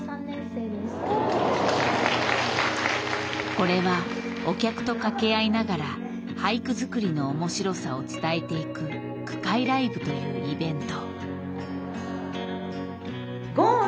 これはお客と掛け合いながら俳句作りの面白さを伝えていく句会ライブというイベント。